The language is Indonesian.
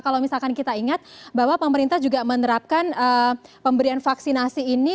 kalau misalkan kita ingat bahwa pemerintah juga menerapkan pemberian vaksinasi ini